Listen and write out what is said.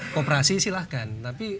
kooperasi silahkan tapi